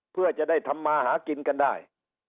เพื่อจะได้ทำมาหากินกันได้